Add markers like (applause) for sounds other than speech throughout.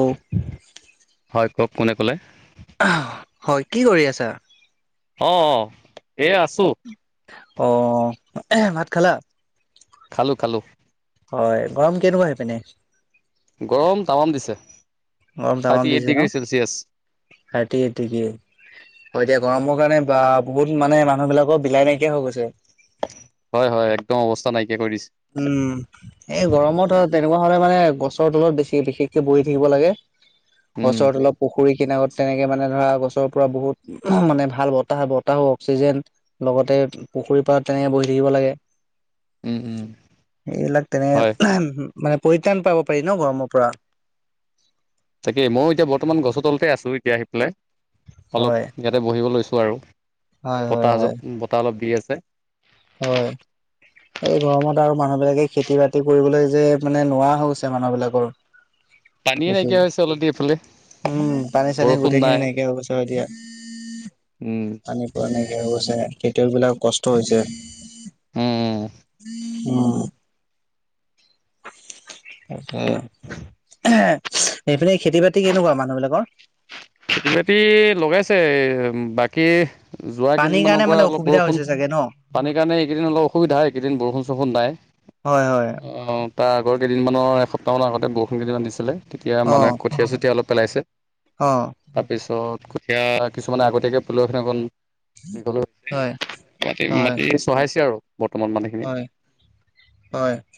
অ' হয় কওক কোনে ক'লে? হয় কি কৰি আছা? অ' এয়া আছো। অ ভাত খালা? খালো খালো। হয় গৰম কেনেকুৱা হৈ পিনে। গৰম টাৱাম দিছে। গৰম থাৰ্টি তাৱাম এইট দিছে ন? ডিগ্ৰী চেলচিয়াছ (unintelligible) তিকে তিক এতিয়া গৰমত মানে বা বহুত মানে মানুহ বিলাকৰ বিলাই নাইকিয়া হৈ গৈছে। হয় হয় একদম অৱস্থা নাইক উম এই গৰমত হয় তেনেকুৱা লে মানে গছৰ তলত বেছি বিশেষকে বহি থাকিব লাগে, উম গছৰ তলত পুখুৰী কিনত তেনেকে মানে ধৰা গছৰ পৰা বহুত মানে ভাল বতাহ বতাহু অক্সিজেন লগতে পুখুৰীৰ পাৰত তেনেকে বহি থাকিব লাগে। উম-উম। এইবিলাক তেনে মানে পৰিত্ৰাণ পাব পাৰি ন গৰমৰ পৰা। তাকে মই এতিয়া বৰ্তমান গছৰ তলতে আছো এতিয়া আহি পেলাই অলপ হয় ইয়াতে বহিব লৈছো। আৰু হয় হয় হয় বতাহত বতাহ অলপ দি আছে। হয়। এই গৰমত আৰু মানুহ বিলাকে খেতি বাতি কৰিবলৈ যে মানে নোৱাৰা হৈ গৈছে মানুহ বিলাকৰ। পানীয়ে দেখি নাইকিয়া হৈছে অলপদেৰি (unintelligible) এইফালে। উম পানী চানী বৰষুণ গোটেইখিনি নাই নাইকিয়া হৈ গৈছে হয় দিয়া উম পানী পোৱা নাই। (unintelligible) হৈছে খেতিয়কবিলাকৰ কষ্ট হৈছে। উম উম। উম তাকে। সেইফালে খেতি বাতি কেনেকুৱা মানুহ বিলাকৰ? খেতি বাতি লগাইছে বাকী যোৱা পানীৰ কাৰণে কেইদিনমানৰ পৰা মানে অলপ অসুবিধা বৰষুণ। হৈছে চাগে ন? পানীৰ কাৰণে এইকেইদিন অলপ অসুবিধা হয়, এইকেইদিন বৰষুণ চৰষুণ নাই। হয় হয় অ তাৰ আগৰ কেইদিনমানৰ এসপ তাৰমানে আগতে বৰষুণ কেইদিনমান দিছিলে তেতিয়া অ মানুহে কঠীয়া চঠীয়া অলপ পেলাইছে। অ তাৰপিছত কঠীয়া কিছুমানে আগতীয়াকে পেলোৱাখিনিয়ে অকণ। হয় ঘ ম (unintelligible) হয় মাটি চহাইছে আৰু। বৰ্তমান মানুহখিনি হয় হয়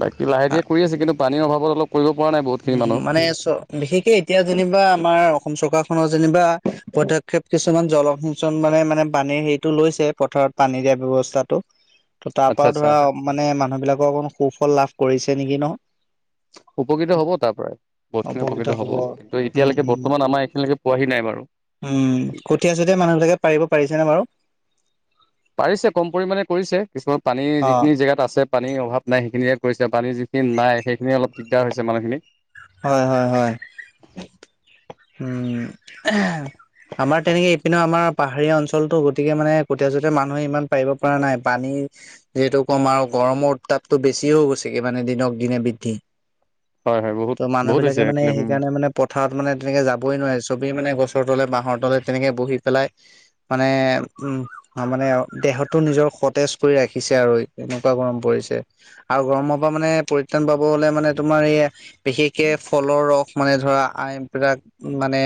বাকী লাহে ধীৰে কৰি আছে কিন্তু পানীৰ অভাৱত অলপ কৰিব পৰা নাই বহুতখিনি উম মানুহ মানে চ বিশেষকে এতিয়া যেনিবা আমাৰ অসম চৰকাৰ খনৰ যেনিবা পদক্ষেপ কিছুমান জলসিঞ্চন মানে-মানে পানীৰ হেইটো লৈছে। তে পথাৰত পানী দিয়া ব্যৱস্থাটো ত তাৰ আচ্ছা পৰাও আচ্ছা ধৰা মানে মানুহ বিলাকৰ অকমান সুফল লাভ কৰিছে নেকি নহ? উপকৃত হব তাৰ পৰাই বহুতখিনি উপকৃত হ'ব কিন্তু উম এতিয়ালৈকে উম বৰ্তমান আমাৰ এইখিনিলৈকে পোৱাহি নাই বাৰু। উম কঠীয়া চঠীয়া মানুহবিলাকে পাৰিব পাৰিছেনে বাৰু? পাৰিছে কম পৰিমামানে কৰিছে কিছুমান পানী অ যিখিনি জেগাত আছে পানীৰ অভাৱ নাই সেইখিনিয়ে কৰিছে পানী যিখিনি নাই সেইখিনি অলপ দিগদাৰ হৈছে মানুহখিনিৰ। হয়-হয়-হয়। উম। আমাৰ তেনেকে ইপিনে আমাৰ পাহাৰীয়া অঞ্চলতো গতিকে মানে কঠীয়া চতিয়া মানুহে ইমান পাৰিব পৰা নাই পানী যিহেতু কম আৰু গৰমৰ উত্তাপটো বেছি হৈ গৈছে কি মানে দিনক দিনে বৃদ্ধি। হয় হয় বহুত ত' মানুহ বহুত হৈছে বিলাকে মানে এইফালে উম সেইকাৰণে মানে পথাৰত মানে। এ যাবই নোৱাৰি চবেই মানে গছৰ তলে বাঁহৰ তলে তেনেকে বহি পেলাই মানে উম। অ মানে দেহতো নিজৰ সতেজ পৰি ৰাখিছে আৰু এনেকুৱা গৰম পৰিছে আৰু গৰমৰ পা মানে পৰিত্ৰাণ পাব হলে মানে তোমাৰ এই বিশেষকে ফলৰ ৰস মানে ধৰা আইন বিলাক মানে।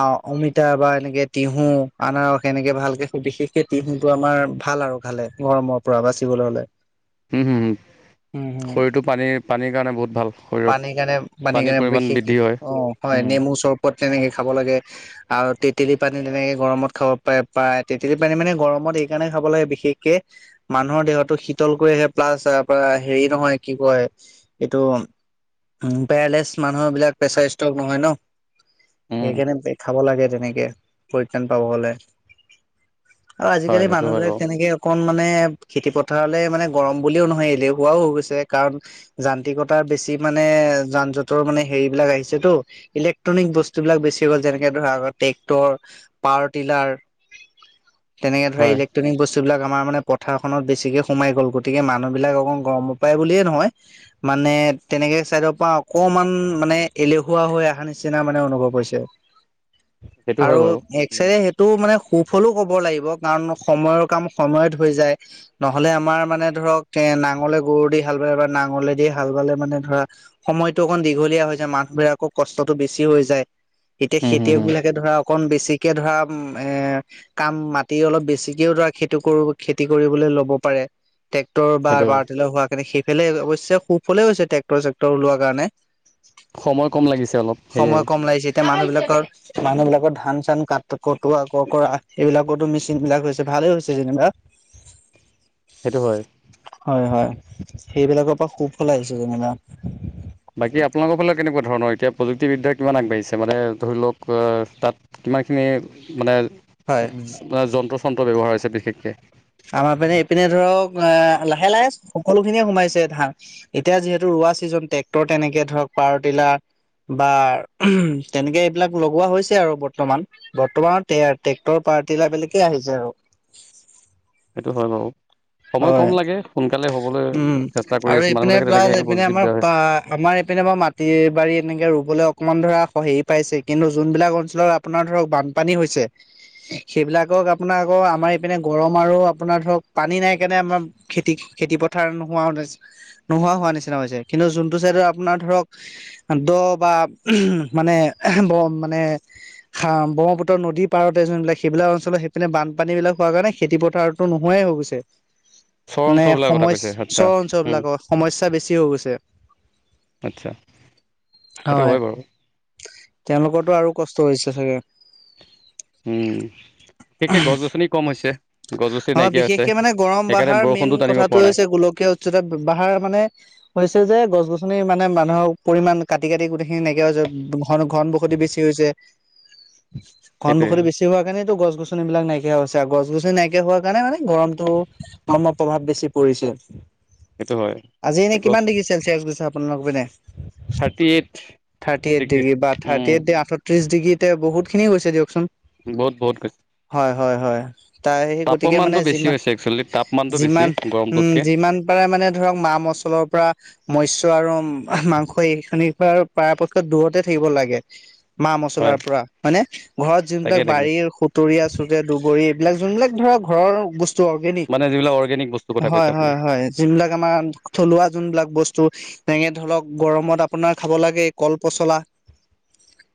আ অমিতা বা এনেকে তিহু আনাৰস এনেকে ভালকে সুধি বিশেষকেই তিঁহুটো আমাৰ ভাল ভাল আৰু খালে গৰমৰ পৰা বাচিবলৈ হলে উম হুম হুম উম হুম শৰীৰটো পানীৰ পানীৰ কাৰণে বহুত ভাল পানীৰ শৰীৰত কাৰণে পানীৰ কাৰণে পৰিমাণ বিশেষ বৃদ্ধি হয় অ হয় উম, নেমু চৰবত তেনেকে খাব লাগে আৰু তেতেলী পানী তেনেকে গৰমত খাব পা পায় তেতেলী পানী মানে গৰমত এইকাৰণে খাব লাগে বিশেষকে মানুহৰ দেহতটো শীতল কৰি ৰাখে প্লাছ তাৰপা হেৰি নহয় কি কয় এইটো উম পেৰালেচ মানুহ বিলাক পেচাৰ ষ্ট টব নহয় ন উম, সেইকাৰণে খাব লাগে তেনেকে পৰিত্ৰাণ পাব হলে আৰু হয় আজিকালি সেইটো মানুহ হয় বিলাক বাৰু তেনেকে অকণ মানে খেতি পথাৰলে মানে গৰম বুলিও নহয় এলেহুৱাও হৈ গৈছে কাৰণ যান্ত্ৰিকতাৰ বেছি মানে এ যান জঁটৰ মানে হেৰি বিলাক আহিছে এটো ইলেক্ট্ৰনিক বস্তুবিলাক বেছি হ'ল যেনেকে ধৰা আ ট্ৰেক্টৰ পাৱৰ টিলাৰ তেনেকে ধৰা হয় ইলেক্ট্ৰনিক বস্তুবিলাক আমাৰ মানে পথাৰ খনত বেছিকে সোমাই গ'ল গতিকে মানুহ বিলাক অক গৰম পায় বুলিয়ে নহয় মানে এ তেনেকে চাইডৰ পৰা অকমান মানে এলেহুৱা হৈ অহা নিচিনা মানে অনুভৱ হৈছে সেইটো হয় আৰু বাৰু। এক চাইডে উম, সেইটো মানে খুব সফলো ক'ব লাগিব কাৰণ সময়ৰ কাম সময়ত হৈ যায় নহলে আমাৰ মানে ধৰক কে না নাঙলে গৰু দি হাল বালে বা নাঙলে দি হাল বালে মানে ধৰা সময়তো অকন দীঘলীয়া হৈছে মা বিৰা-কৌ কষ্টতো বেছি হৈ যায় এতিয়া হুম, খেতিয়ক হুম, বিলাকে ধৰা অকন বেছি কে ধৰা এ কাম মাটি অলপ বেছিকেও ধৰা খেতি কৰো, খেতি কৰিবলৈ লব পাৰে। ট্ৰেক্টৰ বা সেইটো হয় পাৱাৰ টিলাৰ হোৱা কাৰণে সেই ফেলে অৱশ্যে সুফলে হৈছে ট্ৰেক্টৰ চেক্টৰ ওলোৱাৰ কাৰণে সময় কম লাগিছে অলপ সময় সেয়াই কম লাগিছে মানুহ বিলাকৰ মানুহ বিলাকৰ ধান চান কাট কটোৱা ককৰা এইবিলাকতো মেচিন বিলাক হৈছে ভাল ভালেই হৈছে যেনিবা সেইটো হয় হয় হয় সেইবিলাকৰ পৰা সুফল আহিছে যেনিবা বাকী আপোনালোকৰ ফালে কেনেকুৱা ধৰণৰ এতিয়া প্ৰযুক্তিবিদ্যা কিমান আগবাঢ়িছে মানে ধৰি লওক অ তাত ইমানখিনি মানে হয় য যন্ত্ৰ চন্ত্ৰ ব্যৱহাৰ হৈছে বিশেষকে আমাৰ পিনে এইপিনে ধৰক আ লাহে লাহে সকলো খিনিয়ে সোমাইছে ধান এতিয়া যিহেতু পোৱা ছিজন ট্ৰেক্টৰ তেনেকে ধৰক পাৱাৰ টিলাৰ বা তেনেকে এইবিলাক লগোৱা হৈছে আৰু বৰ্তমান বৰ্তমানৰ টে ট্ৰেক্টৰ পা পাৰ্টিলা বিলকে আহিছে আৰু সেইটো হয় বাৰু সময় হয় কম লাগে সোনকালে হ'বলৈ উম চেষ্টা আৰু কৰি আছে মানুহবিলাকে তেনেকে পজিটিভ দিয়া হৈছে এপিনে পা মাটিয়ে বাৰীয়ে এনেকে ৰো হবলে অকনমান ধৰা হেৰি পাইছে কিন্তু যোনবিলাক অঞ্চলত আপোনাৰ ধৰক বানপানী হৈছে সেইবিলাকক আপোনাৰ আকৌ আমাৰ ইপিনে গৰম আৰু আপোনাৰ ধৰক পানী নাই সেইকাৰণে আমাৰ খেতি খেতি পথাৰ নোহোৱাও নোহোৱা হোৱা নিচিনা হৈছে কিন্তু যোনটো চাইদৰ আপোনাৰ ধৰক দ বা উহু মানে এহে মানে হা ব্ৰহ্মপুত্ৰ নদীৰ পাৰতে যোনবিলাক সেইবিলাক অঞ্চলত সেইপিনে বানপানী বিলাক হোৱা কাৰণে খেতি পথাৰতো নহয় এ হৈ গৈছে চৰ মানে অঞ্চলবিলাকৰ কথা সমছ্ কৈছে আচ্ছা চৰ অঞ্চল উম, বিলাকৰ সমস্যা বেছি হৈ গৈছে আচ্ছা সেইটো হয় বাৰু। তেওঁলোকৰটো আৰু কষ্ট হৈছে চাগে। উম বিশেষকে গছ গছনি কম হৈছে গছ গছ- অ বিশেষকে মানে গৰম বাহাৰ মেইন টানিব কথাটো পৰা নাই হৈছে গোলকীয়া উচ্চতা বাহাৰ মানে হৈছে যে গছ গছনি মানে মানুহৰ পৰিমাণ কাটি কাটি গোটেইখিনি নাইকিয়া হৈছে ঘন ঘন বসতি বেছি হৈছে। ঘন সেইটোৱে বসতি বেছি হোৱা কাৰনে গছ গছনিবিলাক নাইকিয়া হৈছে আৰু গছ গছনি নাইকিয়া হোৱা সেকাৰণে মানে গৰমটো গৰমৰ প্ৰভাৱ বেছি পৰিছে। সেইটো হয়। আজি এনেই গছ কিমান ডিগ্ৰী চেলচিয়াছ গৈছে আপোনালোকৰ পিনে? Thirty eight thirty eight degree বা থাৰ্টি এইট আঠত্ৰিশ। যিকিতে বহুত খিনি গৈছে দিয়কচোন। বহুত বহুত গৈছ- হয় হয় হয় তাই সে সেই গতিকে মানে পমানটো বেছি যিমান হৈছে এক- যিমান উম যিমান পাৰা মানে ধৰক মা মচলৰ পৰা মস- ত আৰু মাংস এই খিনি পৰাপক্ষত দূৰতে থাকিব লাগে। মা মছলাৰ হয় পৰা মানে ঘৰত তাকে যোনবিলাক তাকে। বাৰীৰ সুতৰীয়া চুটে দুবৰীৰ এইবিলাক যোনবিলাক ধৰ ঘৰৰ বস্তু অৰ্গেনিক। মানে যিবিলাক অৰ্গেনিক বস্তুৰ কথা কৈছে হয় আপুনি হয় হয় যোন বিলাক আমাৰ থলুৱা যোনবিলাক বস্তু। তেনেকে ধৰক গৰমত আপোনাৰ খাব লাগে কল পচলা।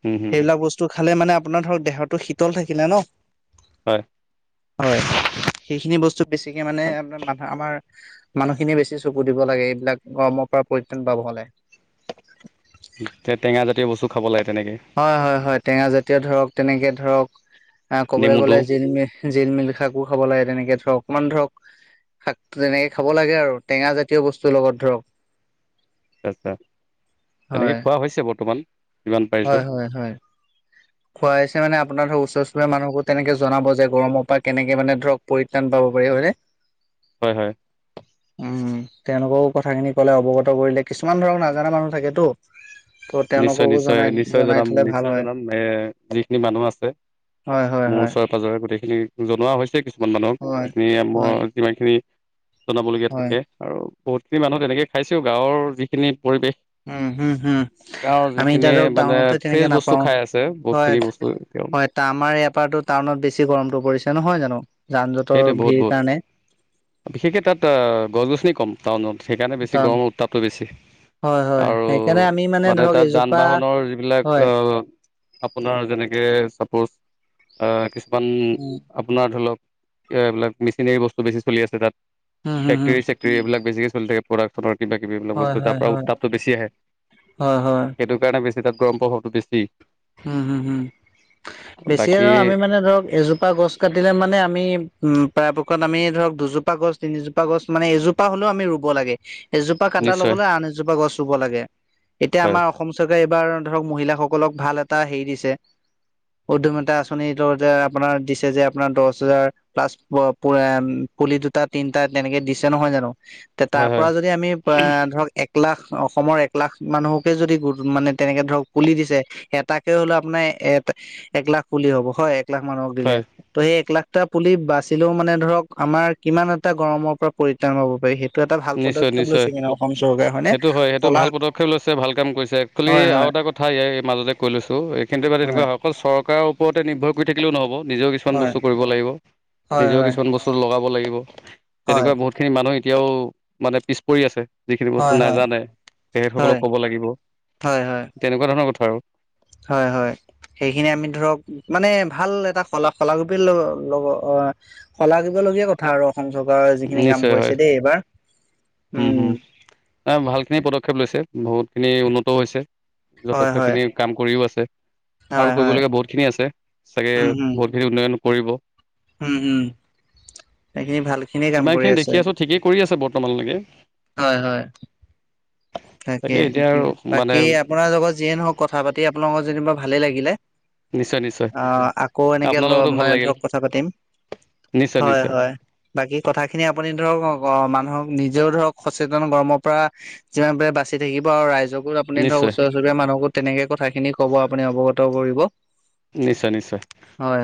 উম, হুম, হুম সেইবিলাক বস্তু খালে মানে আপোনাৰ ধৰক দেহটো শীতল থাকিলে ন। হয়। হয়। সেইখিনি বস্তু বেছিকে মানে আপোনাৰ মানহ আমাৰ মানুহখিনিয়ে বেছি চকু দিব লাগে এইবিলাক অ- সমাপ্তৰ পৰিত্ৰাণ পাব হ'লে। টেঙা জাতীয় বস্তু খাব লাগে। তেনেকে হয় হয় হয় টেঙা জাতীয় ধৰক তেনেকে ধৰক। আহ ক'বলৈ নেমুটো গ'লে জিল মিল জিল মিল শাকো খাব লাগে তেনেকে ধৰক অকমান ধৰক শাক তেনেকে খাব লাগে আৰু, টেঙা জাতীয় বস্তুৰ লগত ধৰক। ৰাস্তা তেনেকে হয় খোৱা হৈছে বৰ্তমান। যিমান পাৰিছো হয় হয় হয় খুৱাইছে মানে আপোনাৰ ধৰ ওচৰ চুবুৰীয়া মানুহকো তেনেকে জনাব যে গৰমৰ পৰা কেনেকে মানে দৰক পৰিত্ৰাণ পাব পাৰি হয় নে। হয় হয়। উম তেওঁলোকৰও কথাখিনি কলে অৱগত কৰিলে কিছুমান ধৰক নাজানা মানুহ থাকেতো। ত নিশ্চয় তেওঁলোককো নিশ্চয় জনাই নিশ্চয় জনাই জনাম থলে ভাল নিশ্চয় হয় জনাম এ যিখিনি মানুহ আছে হয় হয় মোৰ হয় ওচৰে পাজৰে। গোটেইখিনি জনোৱা হৈছে কিছুমান মানুহক হয় যিখিনি হয় যিমান খিনি। জনাবলগীয়া হয়। থাকে আৰু বহুতখিনি মানুহ তেনেকৈ খাইছেও গাঁৱৰ যিখিনি পৰিৱেশ উম হম হম। গাঁৱৰ আমি যিখিনি এতিয়া ধৰক মানে টাউনতে ফ্ৰেছ তেনেকে বস্তু নাপাও খাই আছে হয় বহুতখিনি বস্তু তেওঁ হয় আমাৰ ইয়াৰ পৰাটো। কণত বেছি গৰমটো পৰিছে নহয় জানো, যান জঁটৰ ভিৰ কাৰণে। বিশেষকে তাত গছ গছনি কম টাউনত। সেইকাৰণে বেছি টাউন গৰমৰ উত্তাপটো বেছি হয়, হয়, আৰু সেইকাৰণে আমি মানে ধৰক তাত যান এজোপা বাহনৰ যিবিলাক হয়, অহ আপোনাৰ যেনেকে চাপোজ আহ কিছুমান উম, আপোনাৰ ধৰি লওক। এইবিলাক মেচিনেৰি বস্তু বেছি চলি আছে তাত হুম, হুম, হুম, ফেক্টৰী চেক্টৰী এইবিলাক। বেছিকে চলি থাকে প্ৰডাক্টফতৰ কিবা কিবি এইবিলাক হয়, বস্তু তাৰ হয়, পৰা হয়, উত্তাপটো বেছি আহে। হয় হয়। সেইটো কাৰণে বেছি তাত গৰম প্ৰভাৱটো বেছি। হম হম হম। বেছিয়ে বাকী ধৰ আমি মানে ধৰক এজোপা গছ কাটিলে মানে আমি উম, পাৰাপক্ষত আমি ধৰক দুজোপা গছ তিনিজোপা গছ মানে এজোপা হলেও আমি ৰুব লাগে। এজোপা কাটাৰ লগে নিশ্চয় লগে আন এজোপা গছ ৰুব লাগে, এতিয়া হয় আমাৰ অসম চৰকাৰে বাৰু ধৰক মহিলাসকলক ভাল এটা হেৰি দিছে। উদ্যমতা আঁচনীটো যে আপোনাৰ দিছে যে আপোনাৰ দশ হেজাৰ প্লাছ (unintelligible) পুলি দুটা, তিনটা তেনেকে দিছে নহয় জানো, তে হয় তাৰ পৰা হয় যদি আমি পা ধৰক এক এক লাখ অসমৰ এক লাখ মানুহকে যদি মানে তেনেকে ধৰক পুলি দিছে। এটাকে হলেও আপোনাৰ এ এক লাখ পুলি হ'ব হয় এক লাখ মানুহক দিলে, হয় ত' সেই এক লাখ টা পুলি বাচিলেও মানে ধৰক, আমাৰ কিমান এটা গৰমৰ পৰা পৰিত্ৰাণ পব পাৰি সেই নিশ্চয় নিশ্চয়, হয়নে সেইটো হয় সেইটো কলা ভাল পদক্ষেপ লৈছে ভাল কাম কৰিছে একচুৱেলি হয় আ হয় এটা কথা ইয়াৰ মাজতে কৈ লৈছো, এইখিনিতে এই কিন্তু হয় তেনেকুৱা অকল চৰকাৰৰ ওপৰতে নিৰ্ভৰ কৰি থাকিলেও নহ'ব। নিজেও কিছুমান হয় বস্তু কৰিব লাগিব, হয় নিজেও হয় কিছুমান বস্তু লগাব লাগিব। হয় তেনেকুৱা বহুত খিনি মানুহ এতিয়াও, মানে পিছ পৰি আছে। যিখিনি বস্তু হয় হয় নাজানে, হয় তেখেতসকলক কব লাগিব, হয় হয় তেনেকুৱা ধৰণৰ কথা আৰু। হয়, হয়, সেইখিনি আমি ধৰক, মানে ভাল এটা কলা (unintelligible) লব অ, (unintelligible) লগীয়া কথা আৰু। (unintelligible) যিখিনি আৰু কাম নিশ্চয় হয় কৰিছে দে এইবাৰ, উম, এ ভাল খিনি পদক্ষেপ লৈছে, বহুত খিনি উন্নতও হৈছে, হয় যথেষ্ট হয় খিনি কাম কৰিও আছে। হয় আৰু হয় কৰিবলগীয়া বহুত খিনি আছে, চাগে উম হম বহুতখিনি উন্নয়ন কৰিব। উম, উম, সেইখিনি ভাল খিনিয়ে কাম যিমান কৰি খিনি আছে দেখি আছো ঠিকেই কৰি আছে বৰ্তমানলৈকে। হয়, হয়, তাকে, এতিয়া আৰু মানে বাকী আপোনাৰ লগত যিয়ে নহওক কথা পাতি আপোনাৰ লগত যেনিবা ভালেই লাগিলে। নিশ্চয় নিশ্চয় অ', আকৌ এনেকে আপোনাৰ ল লগতো ভাল মানে লাগিল ধৰক কথা পাতিম। নিশ্চয় হয়, নিশ্চয় হয়, বাকী কথাখিনি আপুনি ধৰক অ', মানুহক নিজেও ধৰক সচেতন গৰমৰ পৰা, যিমান পাৰে বাচি থাকিব আৰু ৰাইজক আপুনি ধৰক নিশ্চয় ওচৰ চুবুৰীয়া মানুহকো তেনেকে কথাখিনি কব আপুনি অৱগত কৰিব। নিশ্চয় নিশ্চয়। হয়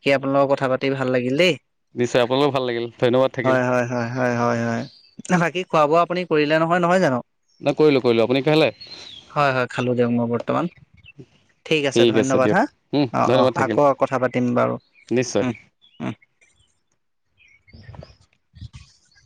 (unintelligible) আপোনাৰ কথা পাতি ভাল লাগিল দেই। নিশ্চয় আপোনালোকো ভাল লাগিল ধন্যবাদ থাকিল হয়, হয়, হয়, হয়, হয়, হয়, (unintelligible) বাকী খোৱা বোৱা আপুনি কৰিলে নহয়, নহয় জানো? ন কৰিলোঁ কৰিলোঁ আপুনি খালে হয়, হয়, খালো দিয়ক মই বৰ্তমান। ঠিক আছে ধন্যবাদ হা, অ, অ, ধন্যবাদ থাকিল আকৌ কথা পাতিম বাৰু, নিশ্চয় উম, উম, (unintelligible)